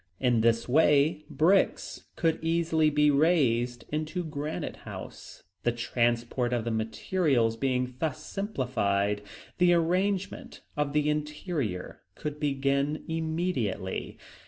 In this way bricks could easily be raised into Granite House. The transport of the materials being thus simplified, the arrangement of the interior could begin immediately.